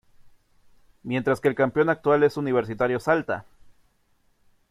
Mientras que el campeón actual es Universitario Salta.